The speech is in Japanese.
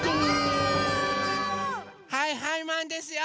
はいはいマンですよ！